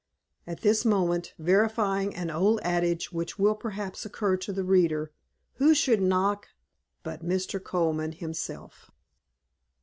At this moment, verifying an old adage which will perhaps occur to the reader, who should knock but Mr. Colman himself?